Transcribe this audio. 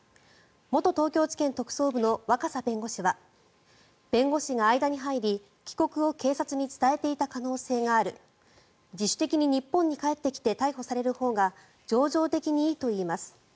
元東京地検特捜部の若狭弁護士は弁護士が間に入り、帰国を警察に伝えていた可能性がある自主的に日本に帰ってきて逮捕されるほうが情状的にいいといいます。